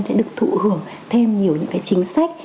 sẽ được thụ hưởng thêm nhiều những chính sách